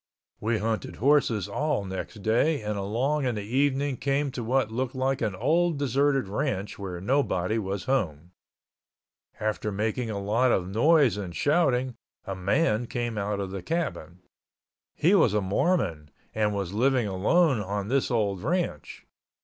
We hunted horses all next day and along in the evening came to what looked like an old deserted ranch where nobody was home. After making a lot of noise and shouting, a man came out of the cabin. He was a Mormon and was living alone on this old ranch.